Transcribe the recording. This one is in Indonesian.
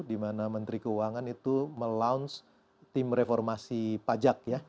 dimana menteri keuangan itu meluncurkan tim reformasi pajak